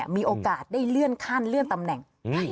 มีโอกาสได้เลื่อนขั้นเลื่อนตำแหน่ง